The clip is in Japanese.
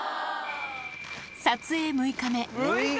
撮影６日目。